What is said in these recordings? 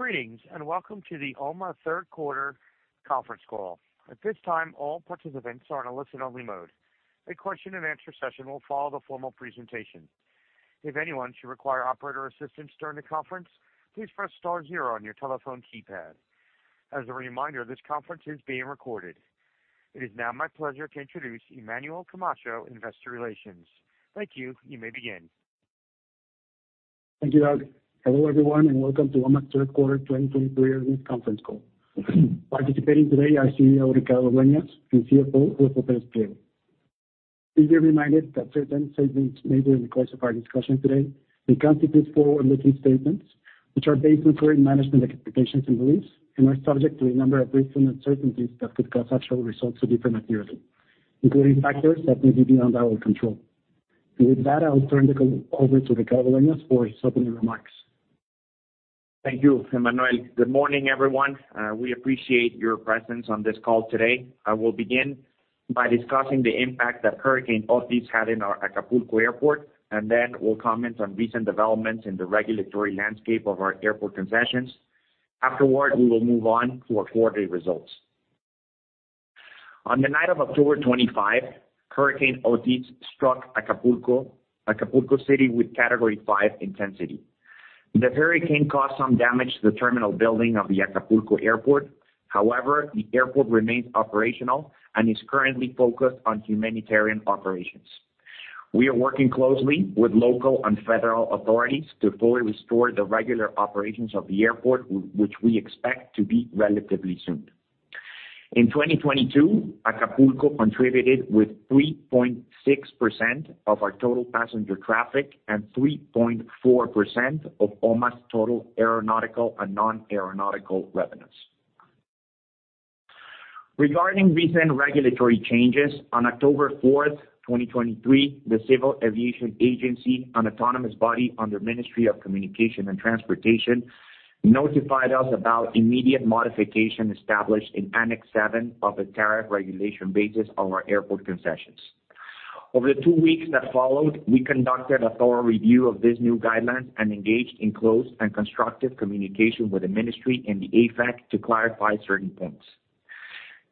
Greetings, and welcome to the OMA Third Quarter Conference Call. At this time, all participants are in a listen-only mode. A question-and-answer session will follow the formal presentation. If anyone should require operator assistance during the conference, please press star-zero on your telephone keypad. As a reminder, this conference is being recorded. It is now my pleasure to introduce Emmanuel Camacho, Investor Relations. Thank you. You may begin. Thank you, Doug. Hello, everyone, and welcome to OMA's Third Quarter 2023 Earnings Conference Call. Participating today are CEO Ricardo Dueñas and CFO Ruffo Pérez Pliego. Please be reminded that certain statements made during the course of our discussion today may constitute forward-looking statements, which are based on current management expectations and beliefs, and are subject to a number of risks and uncertainties that could cause actual results to differ materially, including factors that may be beyond our control. With that, I'll turn the call over to Ricardo Dueñas for his opening remarks. Thank you, Emmanuel. Good morning, everyone. We appreciate your presence on this call today. I will begin by discussing the impact that Hurricane Otis had in our Acapulco airport, and then we'll comment on recent developments in the regulatory landscape of our airport concessions. Afterward, we will move on to our quarterly results. On the night of October 25, Hurricane Otis struck Acapulco, Acapulco City with Category 5 intensity. The hurricane caused some damage to the terminal building of the Acapulco airport. However, the airport remains operational and is currently focused on humanitarian operations. We are working closely with local and federal authorities to fully restore the regular operations of the airport, which we expect to be relatively soon. In 2022, Acapulco contributed with 3.6% of our total passenger traffic and 3.4% of OMA's total aeronautical and non-aeronautical revenues. Regarding recent regulatory changes, on October 4, 2023, the Civil Aviation Agency, an autonomous body under Ministry of Communications and Transportation, notified us about immediate modification established in Annex 7 of the Tariff Regulation Bases of our airport concessions. Over the two weeks that followed, we conducted a thorough review of these new guidelines and engaged in close and constructive communication with the ministry and the AFAC to clarify certain points.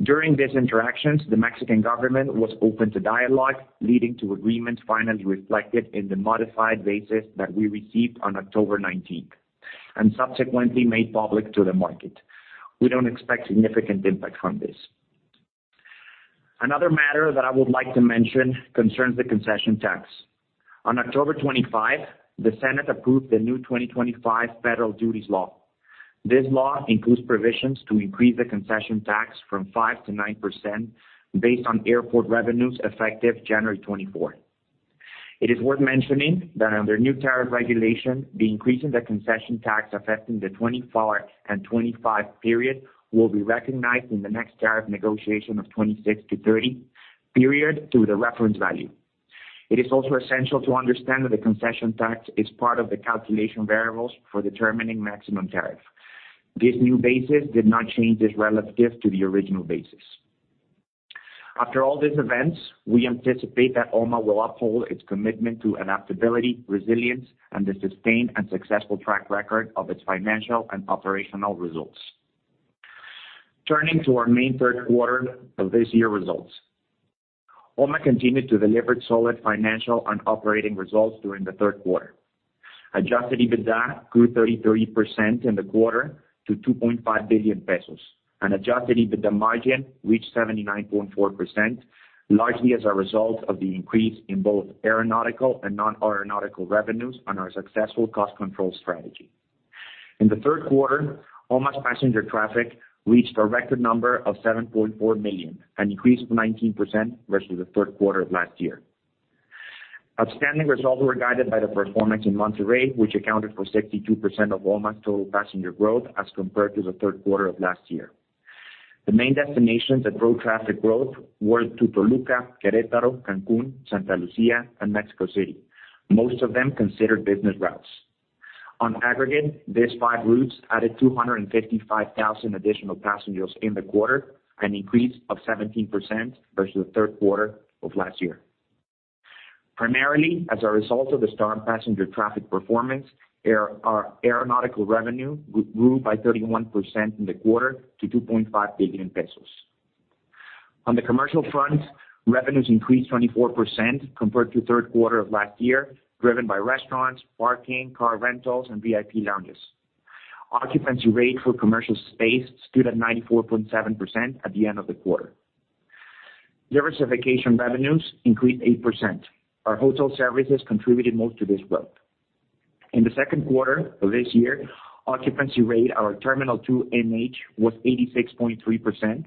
During these interactions, the Mexican government was open to dialogue, leading to agreements finally reflected in the modified basis that we received on October 19, and subsequently made public to the market. We don't expect significant impact from this. Another matter that I would like to mention concerns the concession tax. On October 25, the Senate approved the new 2025 Federal Duties Law. This law includes provisions to increase the concession tax from 5% to 9% based on airport revenues, effective January 24. It is worth mentioning that under new tariff regulation, the increase in the concession tax affecting the 2024 and 2025 period, will be recognized in the next tariff negotiation of 2026-2030 period through the Reference Value. It is also essential to understand that the concession tax is part of the calculation variables for determining maximum tariff. This new basis did not change this relative to the original basis. After all these events, we anticipate that OMA will uphold its commitment to adaptability, resilience, and the sustained and successful track record of its financial and operational results. Turning to our main third quarter of this year results. OMA continued to deliver solid financial and operating results during the third quarter. Adjusted EBITDA grew 33% in the quarter to 2.5 billion pesos, and Adjusted EBITDA margin reached 79.4%, largely as a result of the increase in both aeronautical and non-aeronautical revenues on our successful cost control strategy. In the third quarter, OMA's passenger traffic reached a record number of 7.4 million, an increase of 19% versus the third quarter of last year. Outstanding results were guided by the performance in Monterrey, which accounted for 62% of OMA's total passenger growth as compared to the third quarter of last year. The main destinations that drove traffic growth were to Toluca, Querétaro, Cancún, Santa Lucía, and Mexico City, most of them considered business routes. On aggregate, these five routes added 255,000 additional passengers in the quarter, an increase of 17% versus the third quarter of last year. Primarily, as a result of the strong passenger traffic performance, our aeronautical revenue grew by 31% in the quarter to 2.5 billion pesos. On the commercial front, revenues increased 24% compared to third quarter of last year, driven by restaurants, parking, car rentals, and VIP lounges. Occupancy rate for commercial space stood at 94.7% at the end of the quarter. Diversification revenues increased 8%. Our hotel services contributed most to this growth. In the second quarter of this year, occupancy rate at our Terminal 2 NH was 86.3%,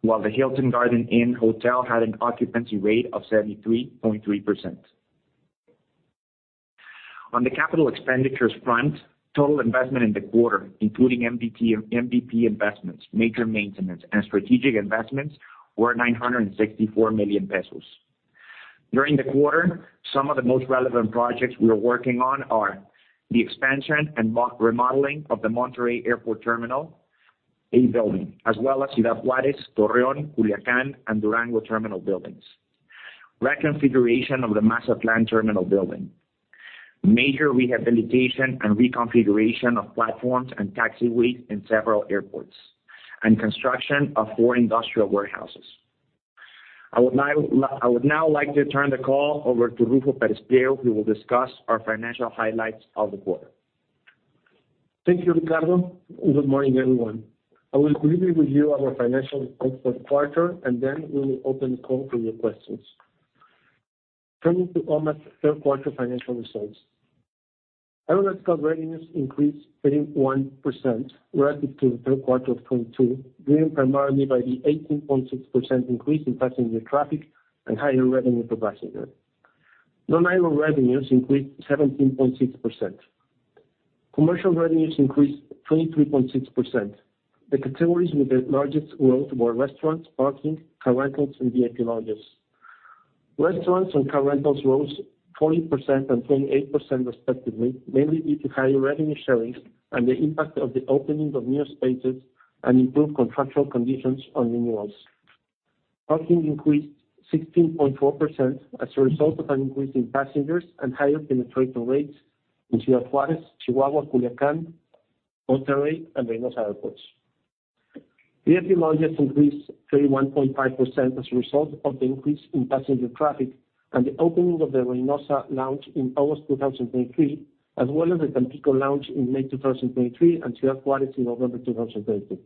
while the Hilton Garden Inn Hotel had an occupancy rate of 73.3%. On the capital expenditures front, total investment in the quarter, including MDP, MDP investments, major maintenance, and strategic investments, were 964 million pesos. During the quarter, some of the most relevant projects we are working on are the expansion and remodeling of the Monterrey Airport Terminal A building, as well as Ciudad Juárez, Torreón, Culiacán, and Durango terminal buildings, reconfiguration of the Mazatlán terminal building, major rehabilitation and reconfiguration of platforms and taxiways in several airports, and construction of four industrial warehouses. I would now, I would now like to turn the call over to Ruffo Pérez Pliego, who will discuss our financial highlights of the quarter. Thank you, Ricardo, and good morning, everyone. I will briefly review our financial results for the quarter, and then we will open the call for your questions. Turning to OMA's third quarter financial results. Aeronautical revenues increased 31% relative to the third quarter of 2022, driven primarily by the 18.6% increase in passenger traffic and higher revenue per passenger. Non-aero revenues increased 17.6%. Commercial revenues increased 23.6%. The categories with the largest growth were restaurants, parking, car rentals, and VIP lounges. Restaurants and car rentals rose 40% and 28%, respectively, mainly due to higher revenue sharing and the impact of the opening of new spaces and improved contractual conditions on renewals. Parking increased 16.4% as a result of an increase in passengers and higher penetration rates in Ciudad Juárez, Chihuahua, Culiacán, Monterrey, and Reynosa airports. VIP lounges increased 31.5% as a result of the increase in passenger traffic and the opening of the Reynosa lounge in August 2023, as well as the Tampico lounge in May 2023, and Ciudad Juárez in November 2022.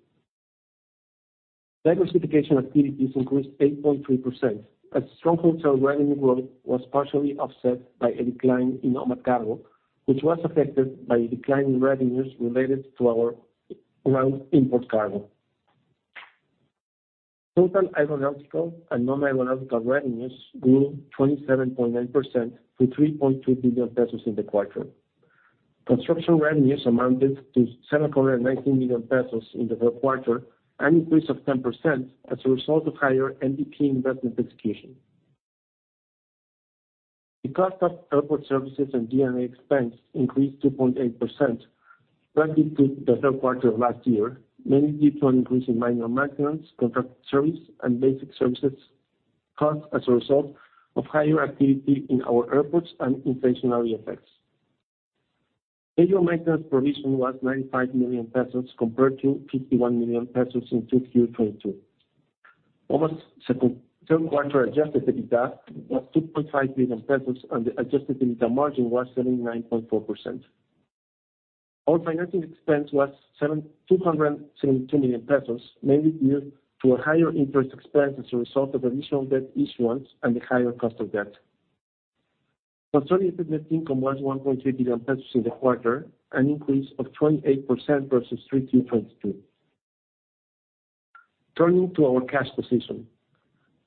Diversification activities increased 8.3%, as strong hotel revenue growth was partially offset by a decline in OMA Carga, which was affected by a decline in revenues related to our ground import cargo. Total aeronautical and non-aeronautical revenues grew 27.9% to 3.2 billion pesos in the quarter. Construction revenues amounted to 719 million pesos in the third quarter, an increase of 10% as a result of higher MDP investment execution. The cost of airport services and G&A expense increased 2.8% relative to the third quarter of last year, mainly due to an increase in minor maintenance, contract service, and basic services costs as a result of higher activity in our airports and inflationary effects. Scheduled maintenance provision was 95 million pesos, compared to 51 million pesos in 2Q 2022. OMA's third quarter Adjusted EBITDA was 2.5 billion pesos, and the Adjusted EBITDA margin was 79.4%. Our financing expense was 272 million pesos, mainly due to a higher interest expense as a result of additional debt issuance and the higher cost of debt. Consolidated net income was 1.3 billion pesos in the quarter, an increase of 28% versus 3Q 2022. Turning to our cash position.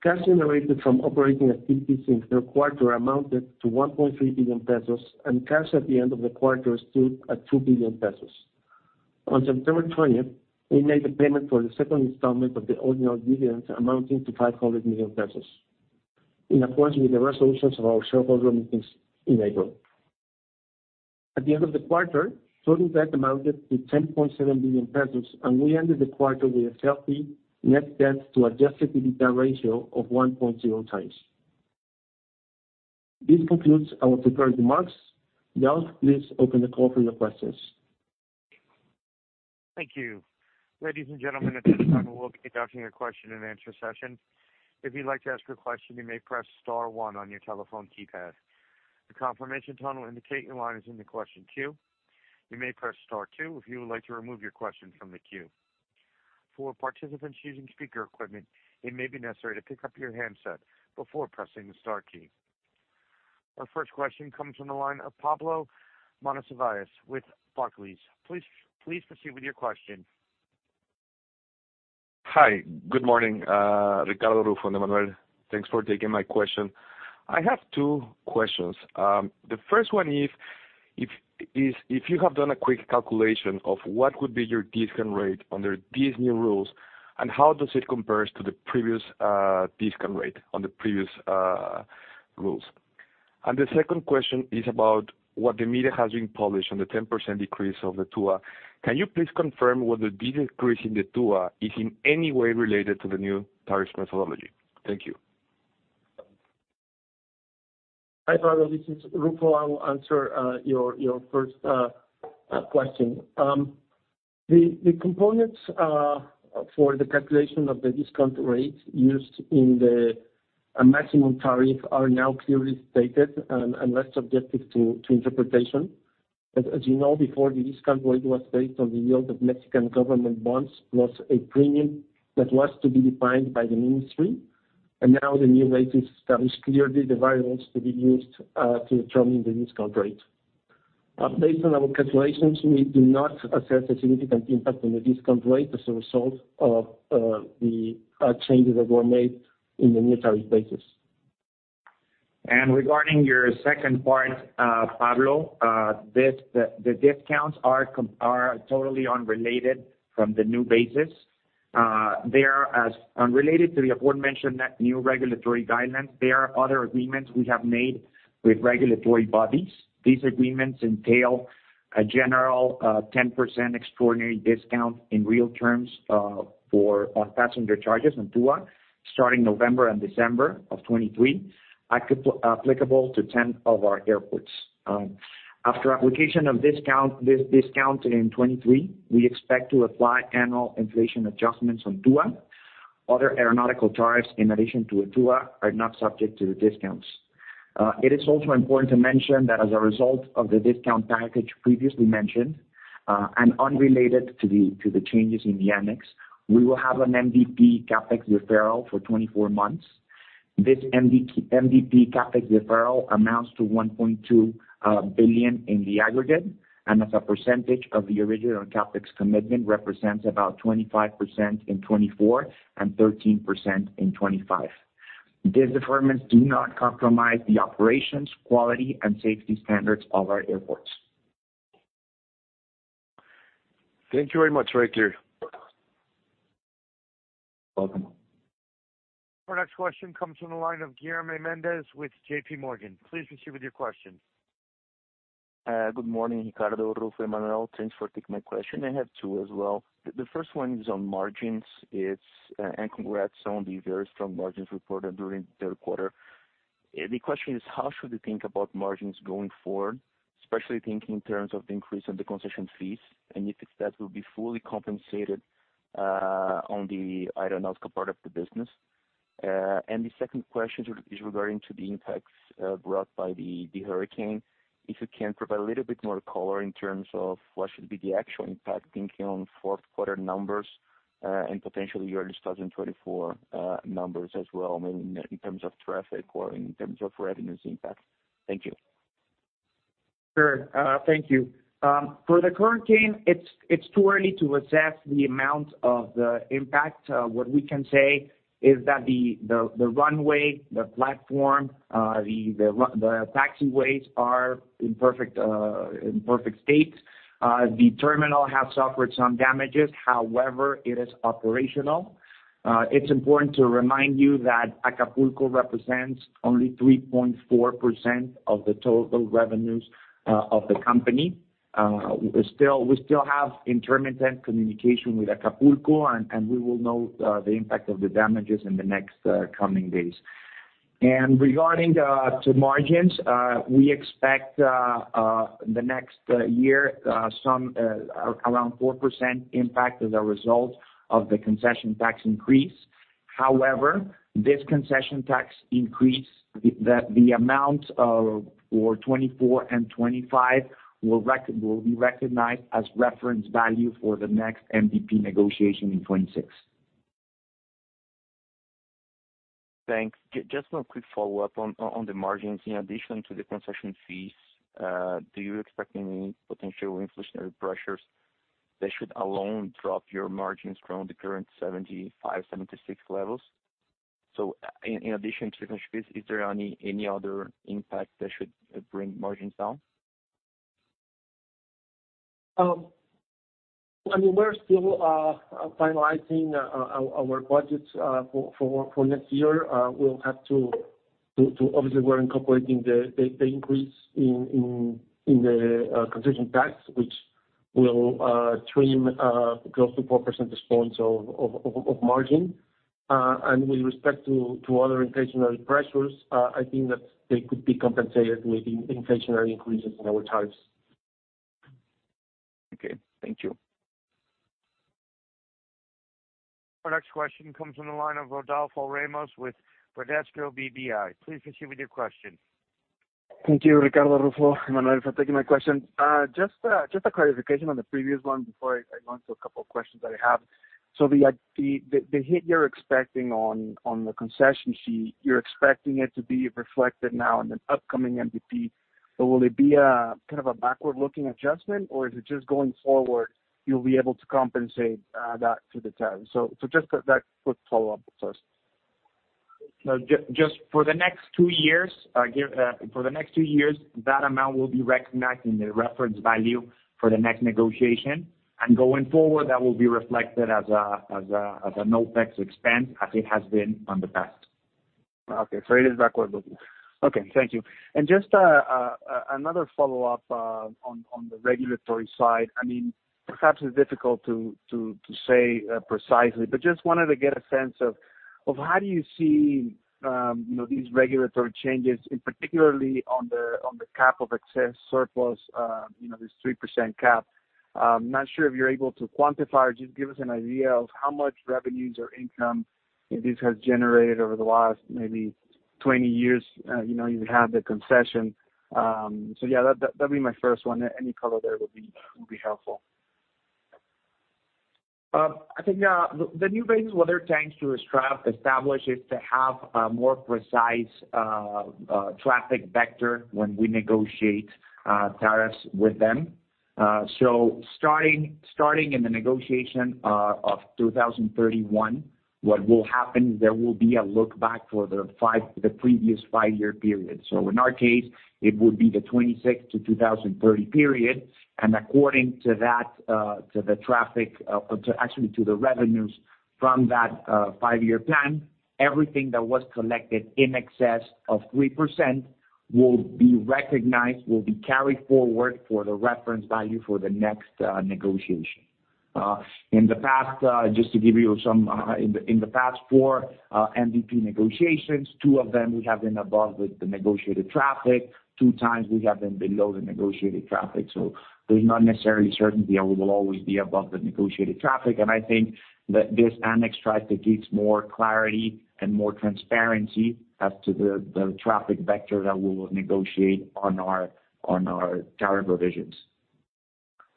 Cash generated from operating activities in the third quarter amounted to 1.3 billion pesos, and cash at the end of the quarter stood at 2 billion pesos. On September 20th, we made the payment for the second installment of the ordinary dividends, amounting to 500 million pesos, in accordance with the resolutions of our shareholder meetings in April. At the end of the quarter, total debt amounted to 10.7 billion pesos, and we ended the quarter with a healthy net debt to Adjusted EBITDA ratio of 1.0x. This concludes our prepared remarks. Now, please open the call for your questions. Thank you. Ladies and gentlemen, at this time, we'll be conducting a question-and-answer session. If you'd like to ask a question, you may press star one on your telephone keypad. The confirmation tone will indicate your line is in the question queue. You may press star two if you would like to remove your question from the queue. For participants using speaker equipment, it may be necessary to pick up your handset before pressing the star key. Our first question comes from the line of Pablo Monsivais with Barclays. Please, please proceed with your question. Hi, good morning, Ricardo, Ruffo, and Emmanuel. Thanks for taking my question. I have two questions. The first one, if you have done a quick calculation of what would be your discount rate under these new rules, and how does it compares to the previous discount rate on the previous rules? And the second question is about what the media has been published on the 10% decrease of the TUA. Can you please confirm whether this increase in the TUA is in any way related to the new tariff methodology? Thank you. Hi, Pablo, this is Ruffo. I will answer your first question. The components for the calculation of the discount rate used in the maximum tariff are now clearly stated and less subjective to interpretation. But as you know, before, the discount rate was based on the yield of Mexican government bonds, plus a premium that was to be defined by the ministry. And now the new rate is established clearly the variables to be used to determine the discount rate. Based on our calculations, we do not assess a significant impact on the discount rate as a result of the changes that were made in the new tariff basis. Regarding your second part, Pablo, the discounts are totally unrelated from the new basis. Related to the aforementioned new regulatory guidance, there are other agreements we have made with regulatory bodies. These agreements entail a general 10% extraordinary discount in real terms for passenger charges on TUA, starting November and December of 2023, applicable to 10 of our airports. After application of discount, this discount in 2023, we expect to apply annual inflation adjustments on TUA. Other aeronautical tariffs, in addition to a TUA, are not subject to the discounts. It is also important to mention that as a result of the discount package previously mentioned, and unrelated to the changes in the annex, we will have an MDP CapEx deferral for 24 months. This MDP CapEx deferral amounts to 1.2 billion in the aggregate, and as a percentage of the original CapEx commitment, represents about 25% in 2024, and 13% in 2025. These deferments do not compromise the operations, quality, and safety standards of our airports. Thank you very much, Ricardo. Welcome. Our next question comes from the line of Guilherme Mendes with JP Morgan. Please proceed with your question. Good morning, Ricardo, Ruffo, Emmanuel. Thanks for taking my question. I have two as well. The first one is on margins. And congrats on the very strong margins reported during the third quarter. The question is: How should we think about margins going forward, especially thinking in terms of the increase in the concession fees, and if that will be fully compensated on the aeronautical part of the business? And the second question is regarding the impacts brought by the hurricane. If you can provide a little bit more color in terms of what should be the actual impact, thinking on fourth quarter numbers, and potentially early 2024 numbers as well, maybe in terms of traffic or in terms of revenues impact. Thank you. Sure. Thank you. For the hurricane, it's too early to assess the amount of the impact. What we can say is that the runway, the platform, the taxiways are in perfect state. The terminal has suffered some damages, however, it is operational. It's important to remind you that Acapulco represents only 3.4% of the total revenues of the company. We still have intermittent communication with Acapulco, and we will know the impact of the damages in the next coming days. And regarding to margins, we expect the next year some around 4% impact as a result of the concession tax increase. However, this concession tax increase, the amount of, for 2024 and 2025, will be recognized as Reference Value for the next MDP negotiation in 2026. Thanks. Just one quick follow-up on the margins. In addition to the concession fees, do you expect any potential inflationary pressures that should alone drop your margins from the current 75-76 levels? So in addition to concession fees, is there any other impact that should bring margins down? I mean, we're still finalizing our budgets for next year. We'll have to obviously we're incorporating the increase in the concession tax, which will trim close to 4% response of margin. And with respect to other inflationary pressures, I think that they could be compensated with inflationary increases in our tariffs. Okay, thank you. Our next question comes from the line of Rodolfo Ramos, with Bradesco BBI. Please proceed with your question. Thank you, Ricardo, Ruffo, Emmanuel, for taking my question. Just a clarification on the previous one before I go into a couple of questions that I have. So the hit you're expecting on the concession fee, you're expecting it to be reflected now in the upcoming MDP, but will it be a kind of a backward-looking adjustment, or is it just going forward, you'll be able to compensate that to the tariff? So just that quick follow-up first. No, just for the next two years, that amount will be recognized in the Reference Value for the next negotiation. And going forward, that will be reflected as a non-tax expense, as it has been in the past. Okay, so it is backward-looking. Okay, thank you. And just, another follow-up, on, on the regulatory side. I mean, perhaps it's difficult to, to, to say, precisely, but just wanted to get a sense of, of how do you see, you know, these regulatory changes, and particularly on the, on the cap of excess surplus, you know, this 3% cap? I'm not sure if you're able to quantify or just give us an idea of how much revenues or income this has generated over the last maybe 20 years, you know, you have the concession. So yeah, that, that'll be my first one. Any color there would be, would be helpful. I think the new rates, what they're trying to establish, is to have a more precise traffic vector when we negotiate tariffs with them. So starting in the negotiation of 2031, what will happen, there will be a look back for the previous five-year period. So in our case, it would be the 2026 to 2030 period. And according to that, to the revenues from that five-year plan, everything that was collected in excess of 3% will be recognized, will be carried forward for the Reference Value for the next negotiation. In the past, just to give you some, in the past four MDP negotiations, two of them we have been above with the negotiated traffic, two times we have been below the negotiated traffic. So there's not necessarily certainty that we will always be above the negotiated traffic. And I think that this annex tries to give more clarity and more transparency as to the traffic vector that we will negotiate on our tariff revisions.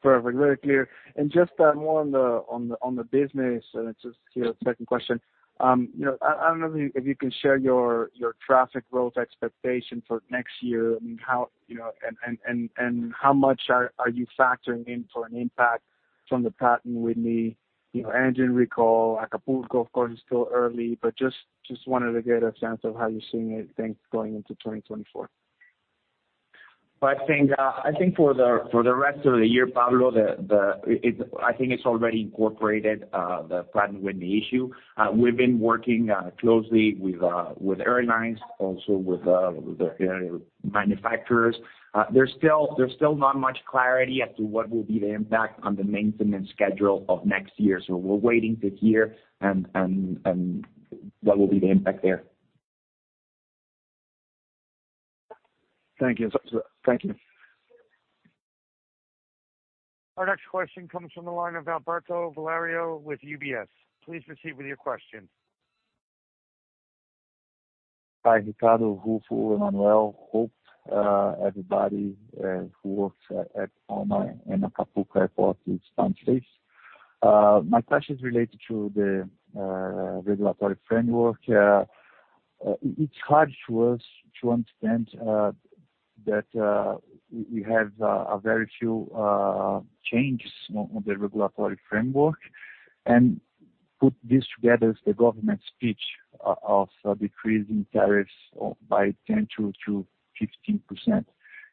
Perfect. Very clear. Just more on the business, and it's just your second question. You know, I don't know if you can share your traffic growth expectation for next year, I mean, how, you know, how much are you factoring in for an impact from the Pratt & Whitney, you know, engine recall? Acapulco, of course, is still early, but just wanted to get a sense of how you're seeing it, things going into 2024. I think for the rest of the year, Pablo, I think it's already incorporated the Pratt & Whitney issue. We've been working closely with airlines, also with the manufacturers. There's still not much clarity as to what will be the impact on the maintenance schedule of next year. So we're waiting to hear and what will be the impact there. Thank you. Thank you. Our next question comes from the line of Alberto Valerio with UBS. Please proceed with your question. Hi, Ricardo, Ruffo, Emmanuel. Hope everybody who works at in Acapulco Airport is fine, safe. My question is related to the regulatory framework. It's hard to us to understand that we have a very few changes on the regulatory framework, and put this together as the government speech of decreasing tariffs by 10%-15%.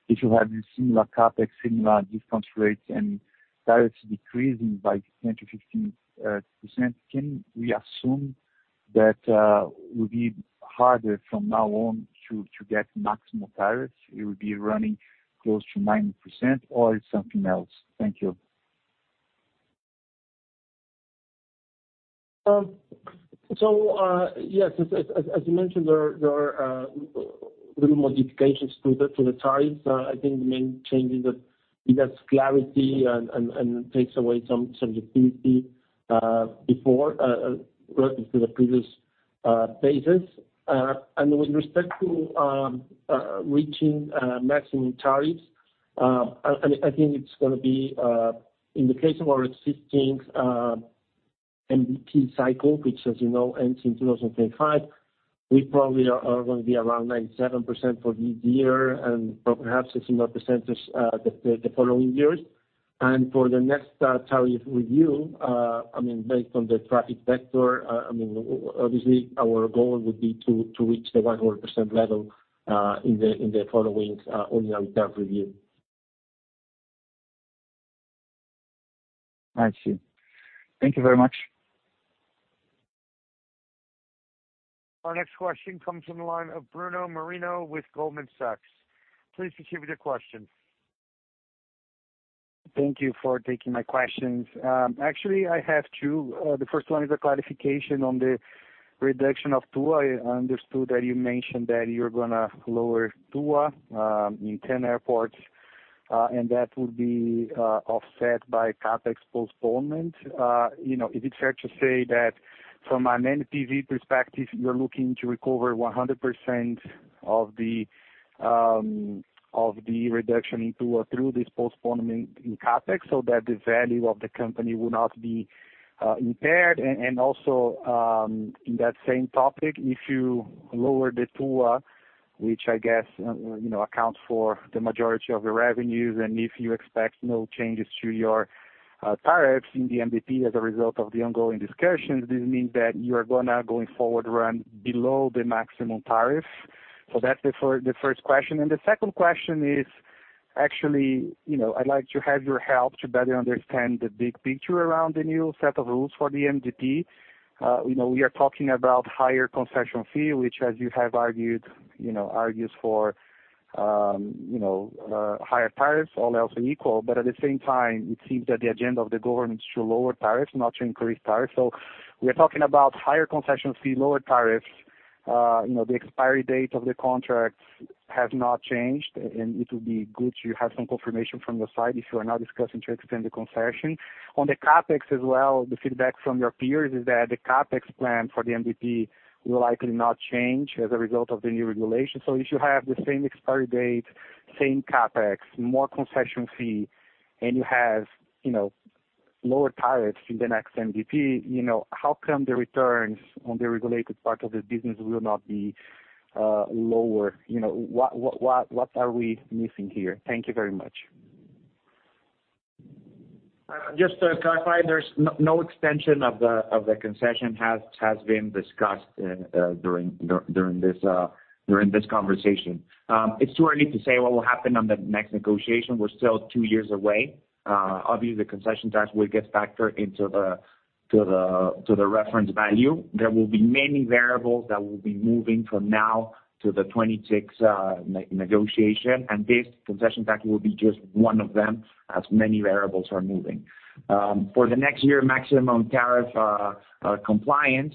If you have a similar CapEx, similar discount rates, and tariffs decreasing by 10%-15%, can we assume that it will be harder from now on to get maximum tariffs? It will be running close to 90% or it's something else? Thank you. So, yes, as you mentioned, there are little modifications to the tariffs. I think the main changes that it gives clarity and takes away some opacity relative to the previous phases. With respect to reaching maximum tariffs, I think it's gonna be in the case of our existing MDP cycle, which, as you know, ends in 2025, we probably are going to be around 97% for this year and perhaps a similar percentage the following years. For the next tariff review, I mean, based on the traffic vector, I mean, obviously, our goal would be to reach the 100 level in the following annual tariff review. I see. Thank you very much. Our next question comes from the line of Bruno Amorim with Goldman Sachs. Please proceed with your question. Thank you for taking my questions. Actually, I have two. The first one is a clarification on the reduction of TUA. I understood that you mentioned that you're gonna lower TUA in 10 airports, and that would be offset by CapEx postponement. You know, is it fair to say that from an NPV perspective, you're looking to recover 100% of the reduction in TUA through this postponement in CapEx, so that the value of the company will not be impaired? Also, in that same topic, if you lower the TUA, which I guess, you know, accounts for the majority of the revenues, and if you expect no changes to your tariffs in the MDP as a result of the ongoing discussions, does it mean that you are gonna, going forward, run below the maximum tariff? So that's the first question. And the second question is, actually, you know, I'd like to have your help to better understand the big picture around the new set of rules for the MDP. You know, we are talking about higher concession fee, which, as you have argued, you know, argues for higher tariffs, all else are equal. But at the same time, it seems that the agenda of the government is to lower tariffs, not to increase tariffs. So we're talking about higher concession fee, lower tariffs, you know, the expiry date of the contracts has not changed, and it would be good to have some confirmation from your side if you are now discussing to extend the concession. On the CapEx as well, the feedback from your peers is that the CapEx plan for the MDP will likely not change as a result of the new regulation. So if you have the same expiry date, same CapEx, more concession fee, and you have, you know, lower tariffs in the next MDP, you know, how come the returns on the regulated part of the business will not be lower? You know, what are we missing here? Thank you very much. Just to clarify, there's no extension of the concession has been discussed during this conversation. It's too early to say what will happen on the next negotiation. We're still two years away. Obviously, the concession tax will get factored into the reference value. There will be many variables that will be moving from now to the 2026 negotiation, and this concession factor will be just one of them, as many variables are moving. For the next year, maximum tariff compliance,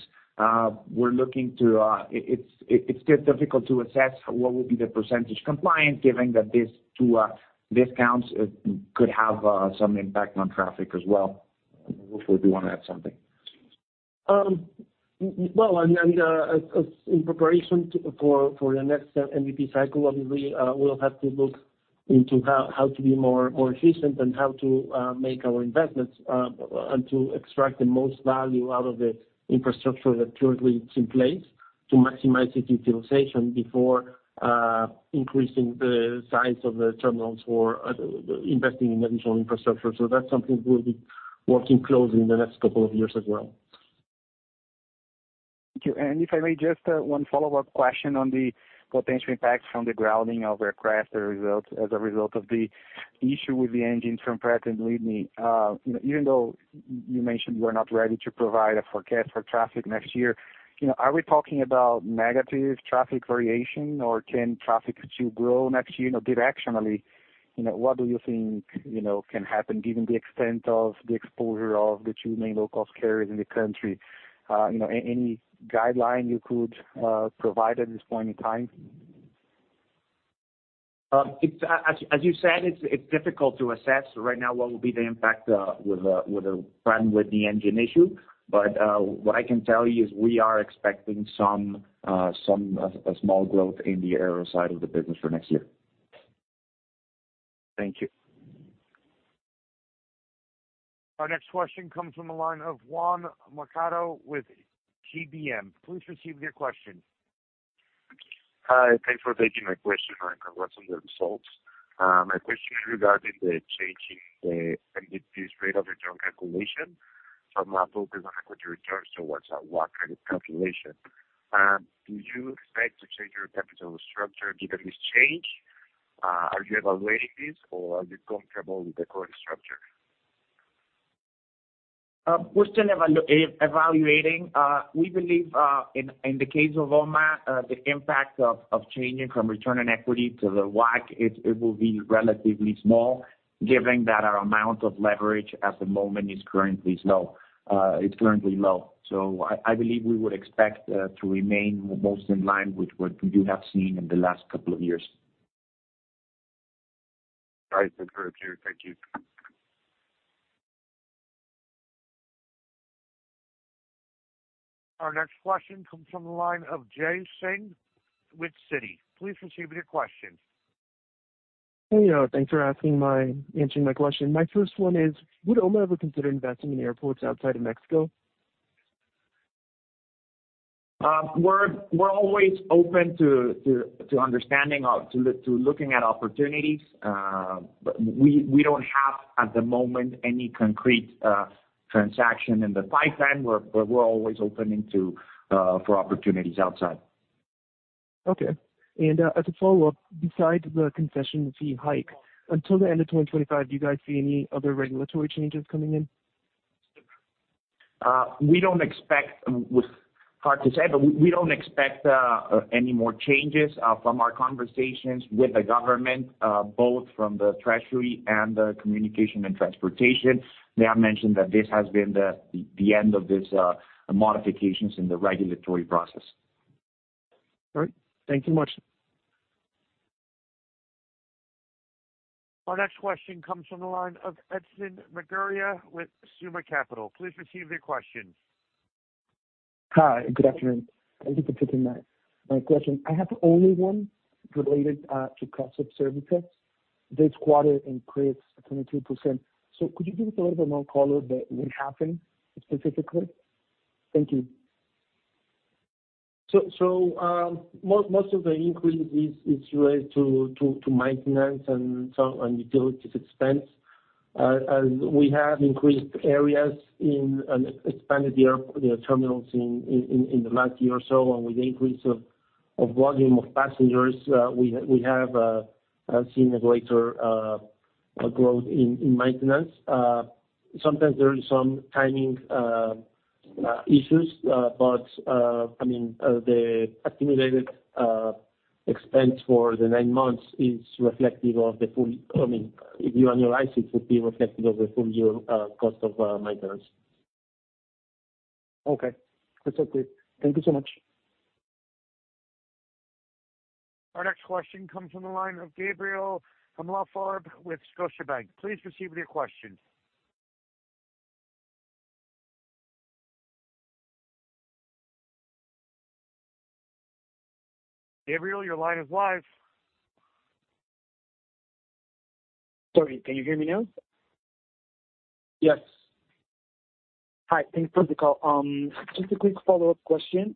we're looking to... It's still difficult to assess what will be the percentage compliance, given that these two discounts could have some impact on traffic as well. Ruffo, do you want to add something? Well, and as in preparation for the next MDP cycle, obviously, we'll have to look into how to be more efficient and how to make our investments and to extract the most value out of the infrastructure that currently in place, to maximize its utilization before increasing the size of the terminals or investing in additional infrastructure. So that's something we'll be working closely in the next couple of years as well. Thank you. And if I may, just, one follow-up question on the potential impact from the grounding of aircraft as a result, as a result of the issue with the engines from Pratt & Whitney. Even though you mentioned you are not ready to provide a forecast for traffic next year, you know, are we talking about negative traffic variation, or can traffic still grow next year? You know, directionally, you know, what do you think, you know, can happen given the extent of the exposure of the two main low-cost carriers in the country? You know, any guideline you could provide at this point in time? It's as you said, it's difficult to assess right now what will be the impact with the problem with the engine issue. But what I can tell you is we are expecting a small growth in the aero side of the business for next year. Thank you. Our next question comes from the line of Juan Macedo with GBM. Please proceed with your question. Hi, thanks for taking my question, and congrats on the results. My question is regarding the change in the MDP's rate of return calculation from focus on equity returns to WACC kind of calculation. Do you expect to change your capital structure given this change? Are you evaluating this, or are you comfortable with the current structure? We're still evaluating. We believe in the case of OMA, the impact of changing from return on equity to the WACC, it will be relatively small, given that our amount of leverage at the moment is currently low, is currently low. So I believe we would expect to remain most in line with what you have seen in the last couple of years. All right, that's clear. Thank you. Our next question comes from the line of Jay Singh with Citi. Please proceed with your question. Hello, thanks for answering my question. My first one is, would OMA ever consider investing in airports outside of Mexico? We're always open to, to, to understanding, to, to looking at opportunities. We don't have, at the moment, any concrete transaction in the pipeline, but we're always open into, for opportunities outside. Okay. As a follow-up, besides the concession fee hike, until the end of 2025, do you guys see any other regulatory changes coming in? We don't expect, it's hard to say, but we, we don't expect any more changes from our conversations with the government, both from the Treasury and the Communications and Transportation. They have mentioned that this has been the, the end of this modifications in the regulatory process. All right. Thank you much. Our next question comes from the line of Edson Murguía with Summa Capital. Please proceed with your question. Hi, good afternoon. Thank you for taking my question. I have only one related to cost of services. This quarter increased 22%. So could you give us a little more color that will happen specifically? Thank you. So, most of the increase is related to maintenance and some utilities expense. As we have increased areas and expanded the airport, the terminals in the last year or so, and with the increase of volume of passengers, we have seen a greater growth in maintenance. Sometimes there is some timing issues, but I mean, the accumulated expense for the nine months is reflective of the full, I mean, if you annualize, it would be reflective of the full year cost of maintenance. Okay, that's okay. Thank you so much. Our next question comes from the line of Gabriel Himelfarb with Scotiabank. Please proceed with your question... Gabriel, your line is live. Sorry, can you hear me now? Yes. Hi, thanks for the call. Just a quick follow-up question.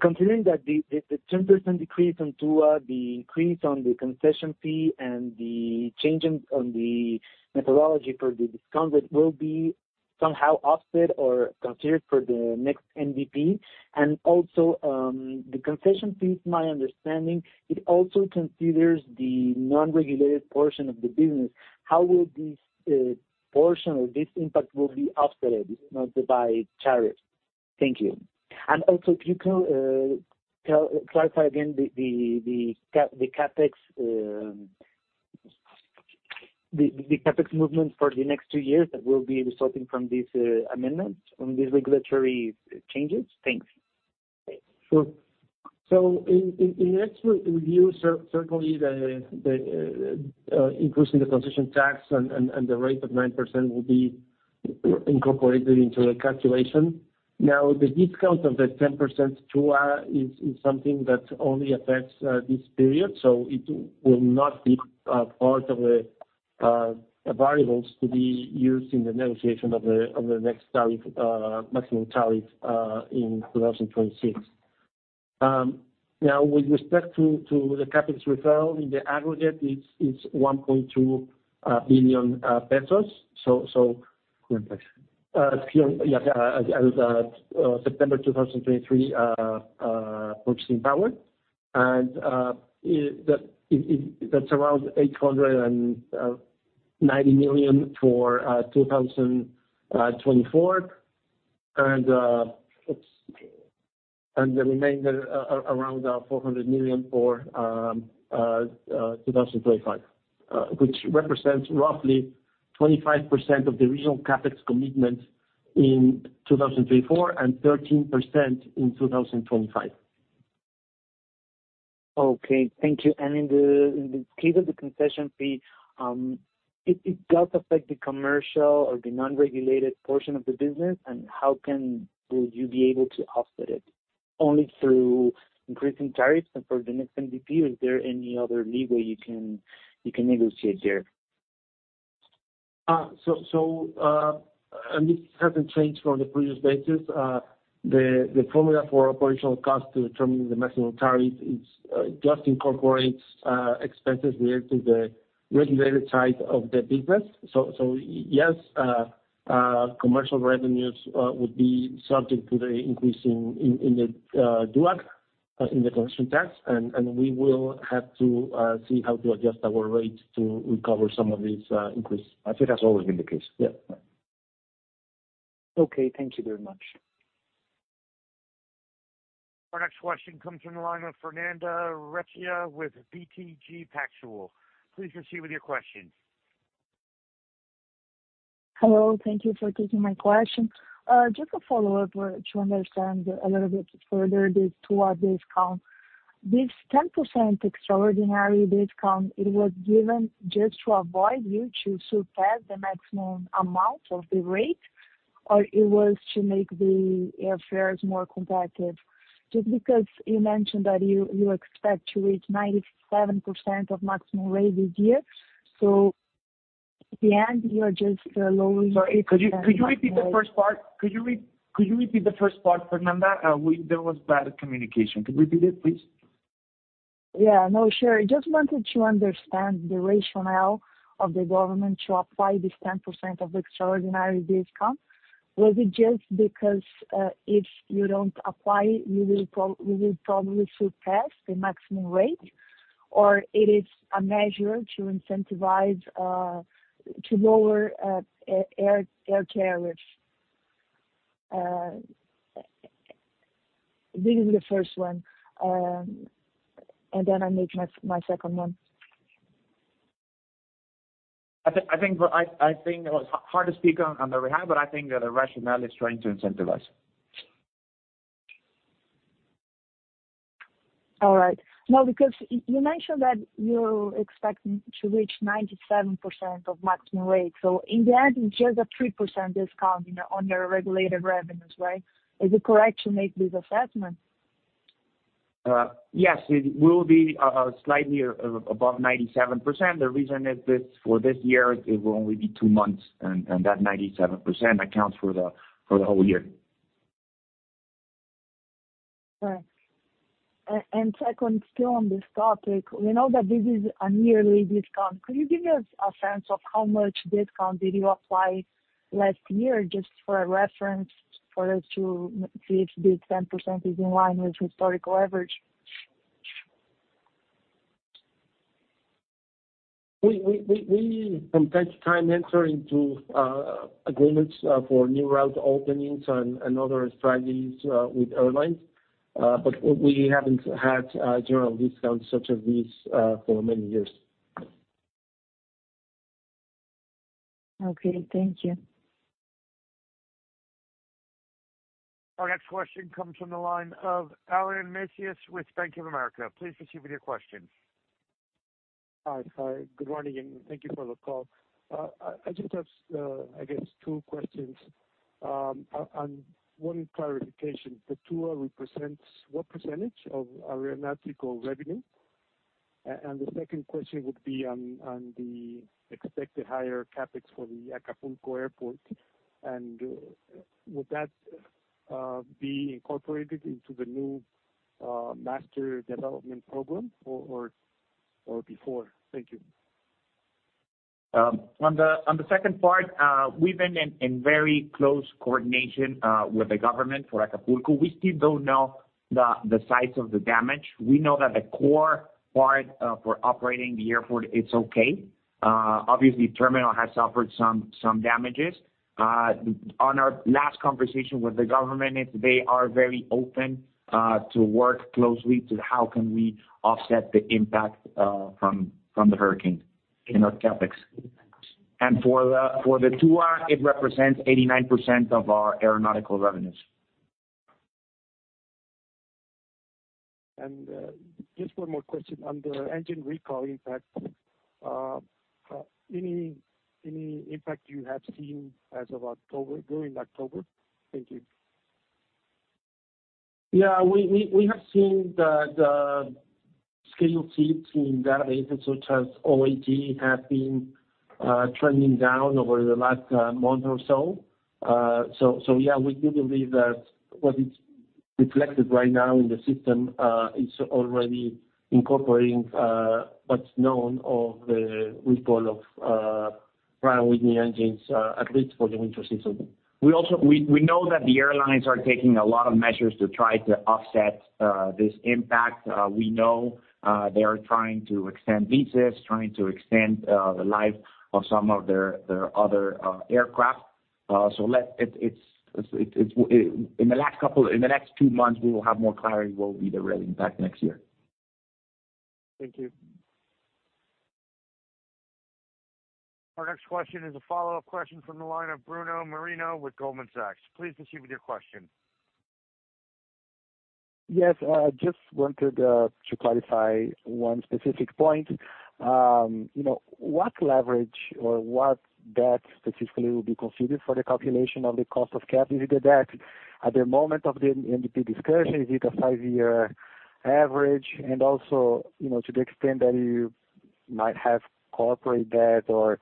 Considering that the 10% decrease on TUA, the increase on the concession fee, and the change in the methodology for the discount, will be somehow offset or considered for the next MDP. Also, the concession fee, is my understanding, it also considers the non-regulated portion of the business. How will this portion or this impact will be offset, you know, by tariffs? Thank you. Also, if you can clarify again the CapEx movement for the next two years, that will be resulting from these amendments, from these regulatory changes? Thanks. Sure. So in next review, certainly the increase in the concession tax and the rate of 9% will be incorporated into the calculation. Now, the discount of the 10% TUA is something that only affects this period, so it will not be part of the variables to be used in the negotiation of the next tariff maximum tariff in 2026. Now, with respect to the CapEx referral, in the aggregate, it's one point two billion pesos. So, yeah, as September 2023 purchasing power, and that. That's around 800 and 90 million for 2024. It's- and the remainder, around 400 million for 2025, which represents roughly 25% of the regional CapEx commitment in 2024, and 13% in 2025. Okay. Thank you. And in the case of the concession fee, it does affect the commercial or the non-regulated portion of the business, and how can... Will you be able to offset it? Only through increasing tariffs, and for the next MDP, is there any other leeway you can negotiate there? This hasn't changed from the previous basis. The formula for operational cost to determine the maximum tariff is just incorporates expenses related to the regulated side of the business. So yes, commercial revenues would be subject to the increase in the TUA, in the concession tax, and we will have to see how to adjust our rates to recover some of this increase. As it has always been the case. Yeah. Okay, thank you very much. Our next question comes from the line of Fernanda Recchia, with BTG Pactual. Please proceed with your question. Hello, thank you for taking my question. Just a follow-up to understand a little bit further the TUA discount. This 10% extraordinary discount, it was given just to avoid you to surpass the maximum amount of the rate, or it was to make the airfares more competitive? Just because you mentioned that you expect to reach 97% of maximum rate this year. So in the end, you are just lowering- Sorry, could you repeat the first part? Could you repeat the first part, Fernanda? There was bad communication. Could you repeat it, please? Yeah. No, sure. I just wanted to understand the rationale of the government to apply this 10% of extraordinary discount. Was it just because if you don't apply, you will probably surpass the maximum rate? Or it is a measure to incentivize to lower air tariffs? This is the first one, and then I make my second one. I think hard to speak on their behalf, but I think that the rationale is trying to incentivize. All right. Now, because you mentioned that you're expecting to reach 97% of maximum rate, so in the end, it's just a 3% discount in, on your regulated revenues, right? Is it correct to make this assessment? Yes, it will be slightly above 97%. The reason is this, for this year, it will only be two months, and that 97% accounts for the whole year. Right. And second, still on this topic, we know that this is a yearly discount. Could you give us a sense of how much discount did you apply last year, just for a reference, for us to see if this 10% is in line with historical average? We sometimes enter into agreements for new route openings and other strategies with airlines. But we haven't had general discounts such as these for many years. Okay, thank you. Our next question comes from the line of Alan Macias, with Bank of America. Please proceed with your question. Hi, hi, good morning, and thank you for the call. I just have, I guess, two questions and one clarification. The two represents what percentage of aeronautical revenue? And the second question would be on the expected higher CapEx for the Acapulco airport, and would that be incorporated into the new master development program or before? Thank you. On the second part, we've been in very close coordination with the government for Acapulco. We still don't know the size of the damage. We know that the core part for operating the airport is okay. Obviously, the terminal has suffered some damages. On our last conversation with the government, they are very open to work closely on how we can offset the impact from the hurricane in our CapEx. And for the TUA, it represents 89% of our aeronautical revenues. Just one more question on the engine recall impact. Any impact you have seen as of October, during October? Thank you. Yeah, we have seen the scheduled seats in databases such as OAG have been trending down over the last month or so. So yeah, we do believe that what is reflected right now in the system is already incorporating what's known of the recall of Pratt & Whitney engines, at least for the winter season. We know that the airlines are taking a lot of measures to try to offset this impact. We know they are trying to extend leases, trying to extend the life of some of their other aircraft. So in the next two months, we will have more clarity what will be the real impact next year. Thank you. Our next question is a follow-up question from the line of Bruno Marino with Goldman Sachs. Please proceed with your question. Yes, I just wanted to clarify one specific point. You know, what leverage or what debt specifically will be considered for the calculation of the cost of capital? Is it the debt at the moment of the MDP discussion, is it a five-year average? And also, you know, to the extent that you might have corporate debt or,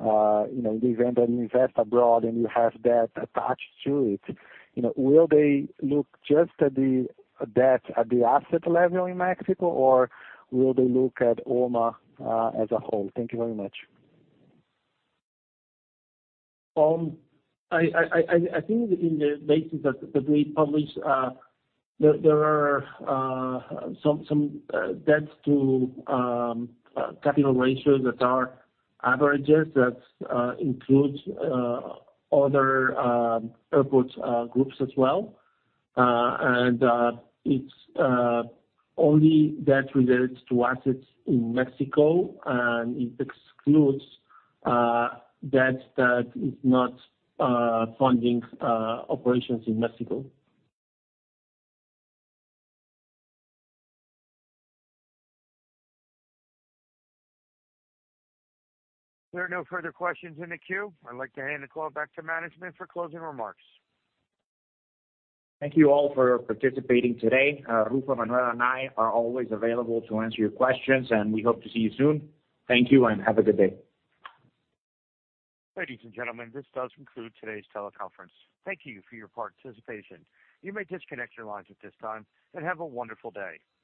you know, in the event that you invest abroad and you have debt attached to it, you know, will they look just at the debt at the asset level in Mexico, or will they look at OMA as a whole? Thank you very much. I think in the basis that we published, there are some debts to capital ratios that are averages that includes other airports groups as well. It's only debt relates to assets in Mexico, and it excludes debt that is not funding operations in Mexico. There are no further questions in the queue. I'd like to hand the call back to management for closing remarks. Thank you all for participating today. Ruffo, Emmanuel, and I are always available to answer your questions, and we hope to see you soon. Thank you, and have a good day. Ladies and gentlemen, this does conclude today's teleconference. Thank you for your participation. You may disconnect your lines at this time, and have a wonderful day.